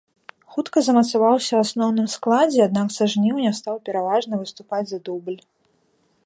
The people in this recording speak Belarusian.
Хутка замацаваўся ў асноўным складзе, аднак са жніўня стаў пераважна выступаць за дубль.